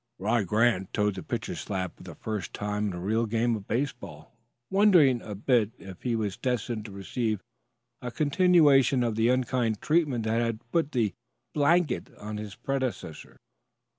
Rod Grant toed the pitcher's slab for the first time in a real game of baseball, wondering a bit if he was destined to receive a continuation of the unkind treatment that had put "the blanket" on his predecessor.